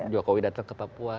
jokowi datang ke papua